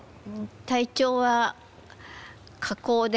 体調は下降ですね。